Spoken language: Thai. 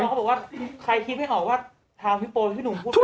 มันก็เพราะว่าใครคิดไม่ออกว่าทางพี่โปร์พี่หนุ่มพูด